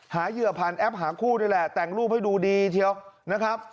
เหยื่อผ่านแอปหาคู่นี่แหละแต่งรูปให้ดูดีเชียวนะครับ